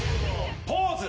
ポーズ！